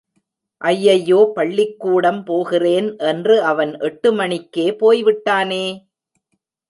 ஐயையோ பள்ளிக்கூடம் போகிறேன் என்று அவன் எட்டு மணிக்கே போய்விட்டானே!